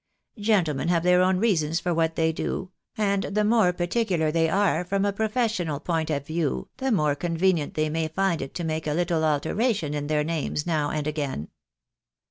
Gentlemen have their own reasons for what they do, and the more particular they are from a professional point of view the more convenient they may find it to make a little altera tion in their names now and again."